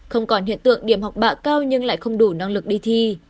không còn hiện tượng điểm học bạ cao nhưng lại không đủ năng lực đi thi